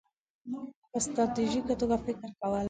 -په ستراتیژیکه توګه فکر کول